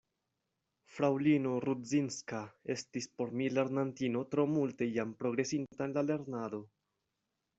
Fraŭlino Rudzinska estis por mi lernantino tro multe jam progresinta en la lernado.